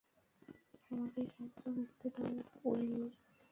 আমাকে সাহায্য করতে দাও, উইল।